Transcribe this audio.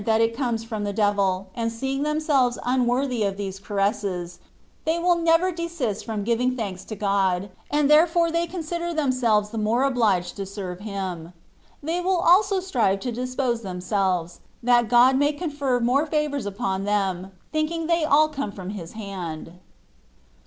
that it comes from the devil, and seeing them selves unworthy of these caresses, they will never desist from giving thanks to God, and therefore they consider themselves the more obliged to serve Him : they will also strive to dispose them selves, that God may confer more favours upon them, thinking they all come from His hand.